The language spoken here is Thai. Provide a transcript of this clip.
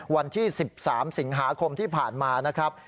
วันที่๑๓สิงหาคมที่ผ่านมานะครับ